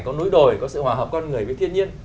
có núi đồi có sự hòa hợp con người với thiên nhiên